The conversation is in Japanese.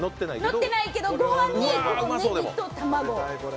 のってないけど、ご飯にねぎと卵。